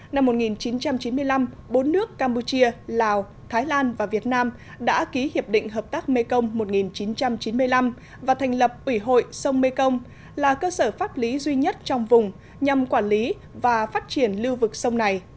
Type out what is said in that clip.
năm một nghìn chín trăm chín mươi năm bốn nước campuchia lào thái lan và việt nam đã ký hiệp định hợp tác mekong một nghìn chín trăm chín mươi năm và thành lập ủy hội sông mekong là cơ sở pháp lý duy nhất trong vùng nhằm quản lý và phát triển lưu vực sông này